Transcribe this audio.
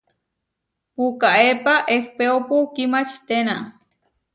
Puʼkaépa ehpéopu kimačiténa.